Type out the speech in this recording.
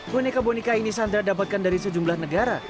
boneka boneka ini sandra dapatkan dari sejumlah negara